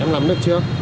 em làm được chưa